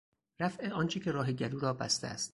رفع آنچه که راه گلو را بسته است